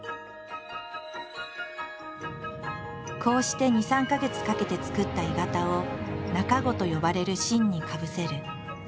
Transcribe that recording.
こうして２３か月かけてつくった鋳型を「中子」と呼ばれる芯にかぶせる。